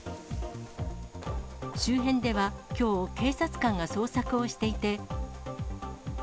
周辺では、きょう、警察官が捜索をしていて。